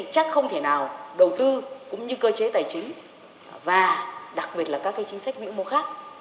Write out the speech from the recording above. chắc không thể nào đầu tư cũng như cơ chế tài chính và đặc biệt là các chính sách vĩ mô khác